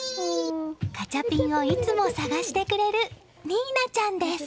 ガチャピンをいつも探してくれる新奈ちゃんです。